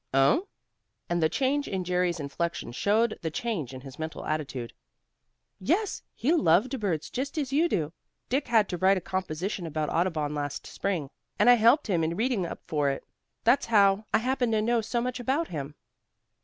"Oh!" And the change in Jerry's inflection showed the change in his mental attitude. "Yes, he loved birds just as you do. Dick had to write a composition about Audubon last spring, and I helped him in reading up for it. That's how I happen to know so much about him."